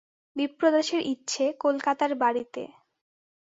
বিপ্রদাসের ইচ্ছে কলকাতার বাড়িতে।